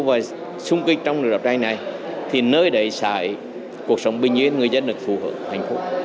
và xung kịch trong lực lượng trại này thì nơi để xảy cuộc sống bình yên người dân được phù hợp hạnh phúc